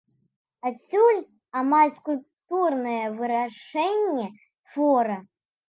Адсюль амаль скульптурнае вырашэнне твора.